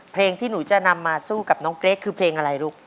เพลงที่หนูจะนำมาสู้กับน้องเกรทคือเพลงอะไรลูก